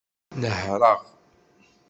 Nehṛeɣ.